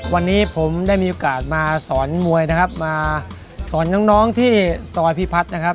วันนี้ผมได้มีโอกาสมาสอนมวยนะครับมาสอนน้องน้องที่ซอยพิพัฒน์นะครับ